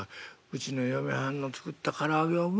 うちの嫁はんの作ったから揚げはうまい」。